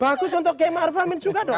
bagus untuk qiem ma'ruf amin juga dong